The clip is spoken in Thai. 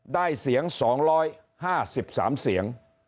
ได้เสียง๒๕๓เสียง